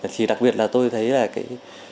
thì đặc biệt là tôi thấy là cái